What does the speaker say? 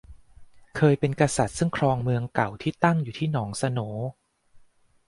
เคยเป็นกษัตริย์ซึ่งครองเมืองเก่าที่ตั้งอยู่ที่หนองโสน